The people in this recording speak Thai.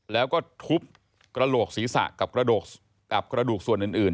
แล้วก็ทุบกระโหลกศีรษะกับกระดูกส่วนอื่น